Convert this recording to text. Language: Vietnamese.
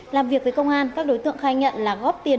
làm việc với công an các đối tượng khai nhận là góp tiền